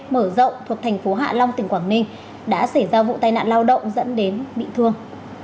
mở rộng thuộc thành phố hạ long tỉnh quảng ninh đã xảy ra vụ tai nạn lao động dẫn đến bị thương